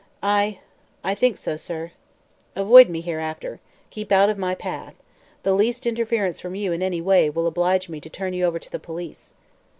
"I I think so, sir." "Avoid me, hereafter. Keep out of my path. The least interference from you, in any way, will oblige me to turn you over to the police."